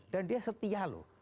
dan dia setia loh